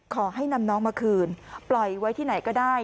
ขอให้นำน้องมาคืนปล่อยไว้ที่ไหนก็ได้